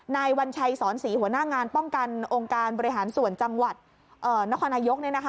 วัญชัยสอนศรีหัวหน้างานป้องกันองค์การบริหารส่วนจังหวัดนครนายก